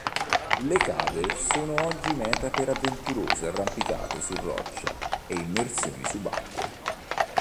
Le cave sono oggi meta per avventurose arrampicate su roccia e immersioni subacquee.